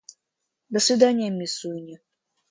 До свидания, мисс Суини.